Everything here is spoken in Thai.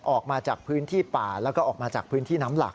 ออกมาจากพื้นที่ป่าแล้วก็ออกมาจากพื้นที่น้ำหลัก